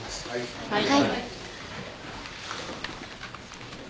はい。